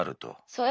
そう。